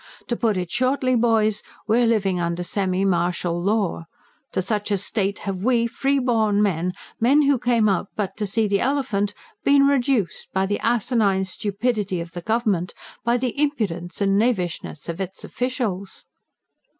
To put it shortly, boys, we're living under semi martial law. To such a state have we free born men, men who came out but to see the elephant, been reduced, by the asinine stupidity of the Government, by the impudence and knavishness of its officials.